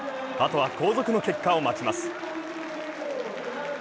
あとは後続の結果を待ちます。